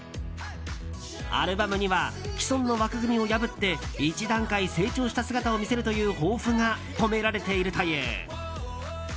アルバムには既存の枠組みを破って一段階成長した姿を見せるという抱負が込められているという。